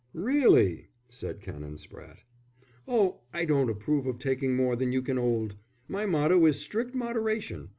"Really!" said Canon Spratte. "Oh, I don't approve of taking more than you can 'old. My motto is strict moderation.